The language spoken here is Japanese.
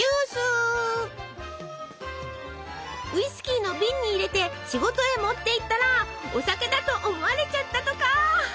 ウイスキーの瓶に入れて仕事へ持っていったらお酒だと思われちゃったとか！